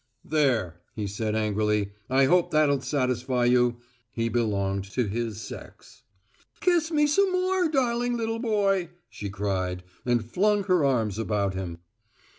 "There!" he said angrily. "I hope that'll satisfy you!" He belonged to his sex. "Kiss me some more, darling little boy!" she cried, and flung her arms about him.